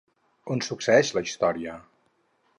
On succeeix la història?